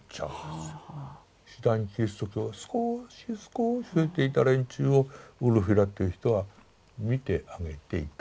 次第にキリスト教が少し少し増えていた連中をウルフィラっていう人は見てあげていた。